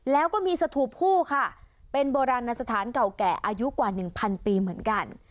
แล้วก็มีสถุผู้ค่ะเป็นโบราณสถานเก่าแกะอายุกว่า๑๐๐๐ปีเหมือนกัน